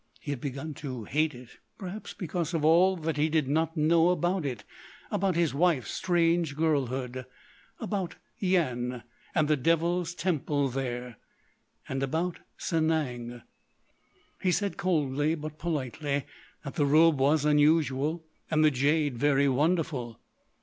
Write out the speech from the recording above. He had begun to hate it, perhaps because of all that he did not know about it—about his wife's strange girlhood—about Yian and the devil's Temple there—and about Sanang. He said coldly but politely that the robe was unusual and the jade very wonderful.